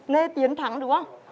nê tiến thắng đúng không